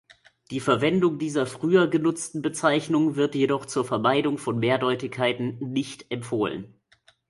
Die Verwendung dieser früher genutzten Bezeichnung wird jedoch zur Vermeidung von Mehrdeutigkeiten nicht empfohlen.